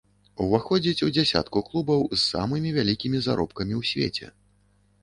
Уваходзіць у дзясятку клубаў з самымі вялікімі заробкамі ў свеце.